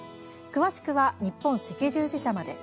詳しくは日本赤十字社まで。